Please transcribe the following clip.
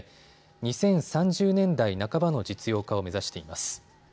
２０３０年代半ばの実用化を目指しています。